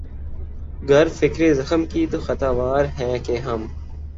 گر فکرِ زخم کی تو خطاوار ہیں کہ ہم